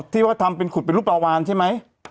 ที่ว่าทำเป็นขุดเป็นรูปปลาวานใช่ไหม